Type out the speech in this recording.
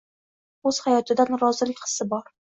Oʻz hayotidan rozilik hissi bor